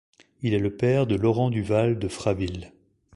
Il est le père de Laurent Duval de Fraville.